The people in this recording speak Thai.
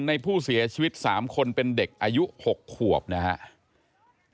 ในผู้เสียชีวิต๓คนเป็นเด็กอายุ๖ขวบนะครับ